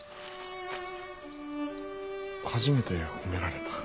初めて褒められた。